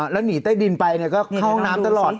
แล้วหนีใต้ดินไปก็เข้าห้องน้ำตลอด